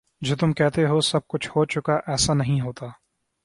جو تم کہتے ہو سب کچھ ہو چکا ایسے نہیں ہوتا